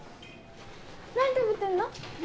何食べてんの！？